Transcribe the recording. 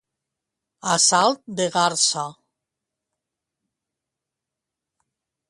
A salt de garsa.